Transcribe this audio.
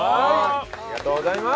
ありがとうございます！